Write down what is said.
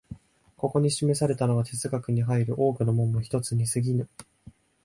ここに示されたのは哲学に入る多くの門の一つに過ぎぬ。